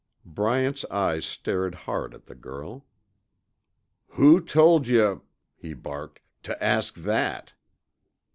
Bryant's eyes stared hard at the girl. "Who told yuh," he barked, "tuh ask that?"